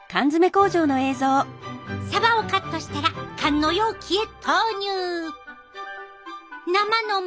サバをカットしたら缶の容器へ投入！